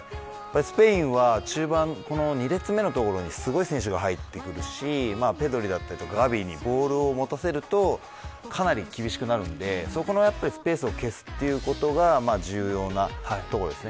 スペインは中盤２列目の所にすごい選手が入ってきてペドリやガヴィにボールを持たせるとかなり厳しくなるのでそこのスペースを消すことが重要なところです。